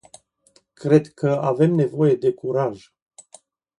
Cred că avem nevoie de curaj.